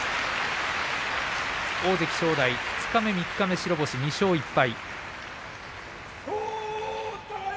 大関正代二日目、三日目、白星２勝１敗。